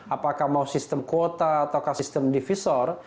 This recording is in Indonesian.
apakah mau sistem kuota atau sistem divisor